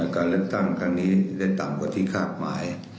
การเลือกตั้งครั้งนี้ได้ต่ำกว่าที่คาดหมาย